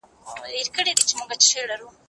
زه پرون تمرين کوم